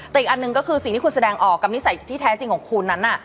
แต่อีกอันหนึ่งก็คือสิ่งที่คุณแสดงออกกับนิสัยที่แท้จริงของคุณนั้น